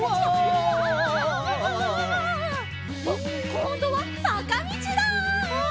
こんどはさかみちだ！